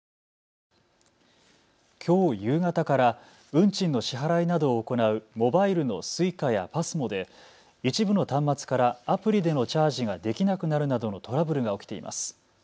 きょう夕方から運賃の支払いなどを行うモバイルのＳｕｉｃａやＰＡＳＭＯで一部の端末からアプリでのチャージができなくなるなどのトラブルが起きています。